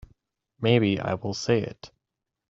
Maybe I will say it.